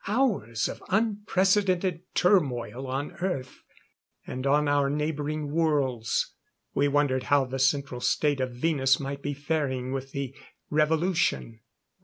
Hours of unprecedented turmoil on Earth, and on our neighboring worlds. We wondered how the Central State of Venus might be faring with the revolution.